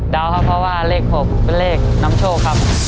ครับเพราะว่าเลข๖เป็นเลขนำโชคครับ